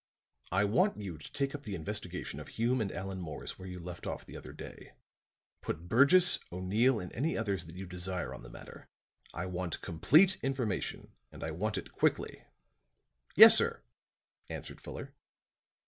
"I want you to take up the investigation of Hume and Allan Morris where you left off the other day. Put Burgess, O'Neill and any others that you desire on the matter. I want complete information, and I want it quickly." "Yes, sir," answered Fuller.